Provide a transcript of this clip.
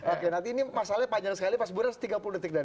oke nanti ini masalahnya panjang sekali pas buras tiga puluh detik dari anda